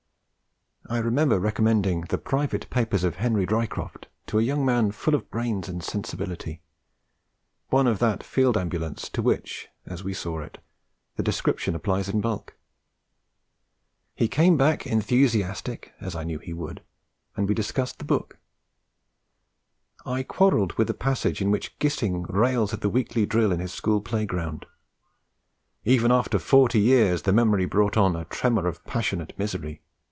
I remember recommending The Private Papers of Henry Ryecroft to a young man full of brains and sensibility one of that Field Ambulance to which, as we saw it, the description applies in bulk. He came back enthusiastic, as I knew he would, and we discussed the book. I quarrelled with the passage in which Gissing rails at the weekly drill in his school playground: 'even after forty years' the memory brought on a 'tremor of passionate misery....